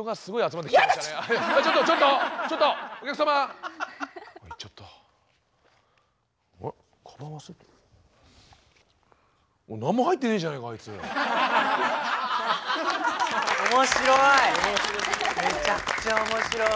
めちゃくちゃ面白い。